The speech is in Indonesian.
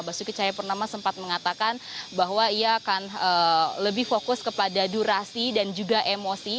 basuki cahayapurnama sempat mengatakan bahwa ia akan lebih fokus kepada durasi dan juga emosi